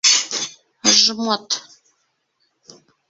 Жмот!